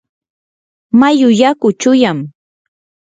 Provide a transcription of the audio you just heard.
mayu yaku chuyam.